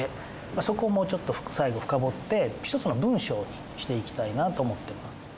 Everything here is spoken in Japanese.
そこをもうちょっと最後深掘って１つの文章にしていきたいなと思ってます。